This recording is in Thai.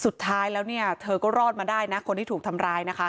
สุดท้ายแล้วเนี่ยเธอก็รอดมาได้นะคนที่ถูกทำร้ายนะคะ